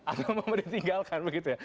atau memang mau ditinggalkan begitu ya